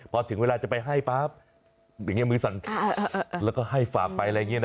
พอถึงเวลาจะไปให้ปั๊บอย่างนี้มือสั่นแล้วก็ให้ฝากไปอะไรอย่างนี้นะ